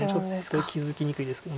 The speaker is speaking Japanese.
ちょっと気付きにくいですけど。